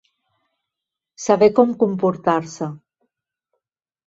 Saber com comportar-se.